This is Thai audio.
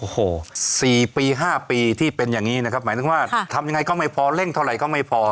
โอ้โห๔ปี๕ปีที่เป็นอย่างนี้นะครับหมายถึงว่าทำยังไงก็ไม่พอเร่งเท่าไหร่ก็ไม่พอ